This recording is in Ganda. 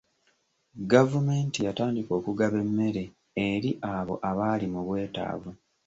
Gavumenti yatandika okugaba emmere eri abo abaali mu bwetaavu.